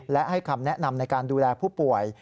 และให้คำแนะนำในการดูแลผู้ป่วย